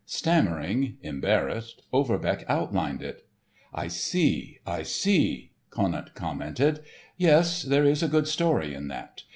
Stammering, embarrassed, Overbeck outlined it. "I see, I see!" Conant commented. "Yes, there is a good story in that.